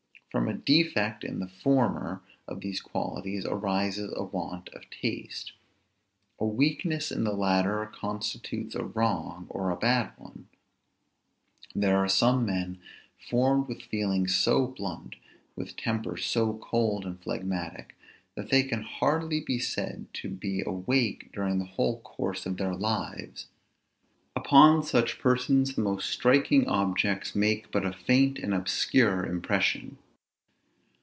From a defect in the former of these qualities arises a want of taste; a weakness in the latter constitutes a wrong or a bad one. There are some men formed with feelings so blunt, with tempers so cold and phlegmatic, that they can hardly be said to be awake during the whole course of their lives. Upon such persons the most striking objects make but a faint and obscure impression.